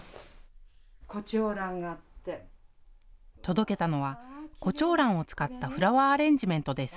届けたのはコチョウランを使ったフラワーアレンジメントです。